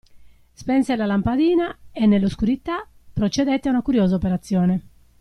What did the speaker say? Spense la lampadina e, nell'oscurità, procedette a una curiosa operazione.